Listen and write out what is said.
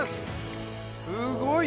すごい！